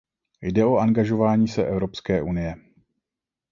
Jde o angažování se Evropské unie.